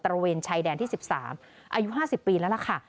ระเวนชายแดนที่๑๓อายุ๕๐ปีแล้วล่ะค่ะ